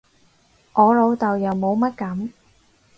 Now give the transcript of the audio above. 我老豆又冇乜噉